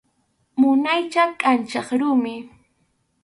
Munaycha kʼanchaq rumi.